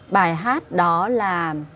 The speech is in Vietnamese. bài hát đó là